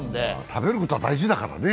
食べることは大事だからね。